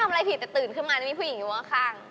ไม่ได้ทำอะไรผิดแต่ตื่นขึ้นมาแล้วมีผู้หญิงอยู่บ้างข้าง